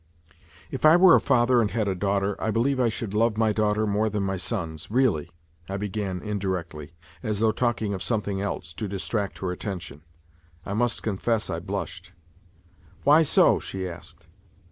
" If I were a father and had a daughter, I believe I should love my daughter more than my sons, really," I began indirectly, as though talking of something else, to distract her attention. I must confess I blushed. " Why so? " she asked.